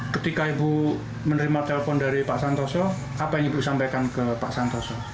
ketika ibu menerima telepon dari pak santoso apa yang ibu sampaikan ke pak santoso